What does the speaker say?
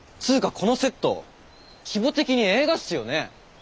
このセット規模的に映画っすよね。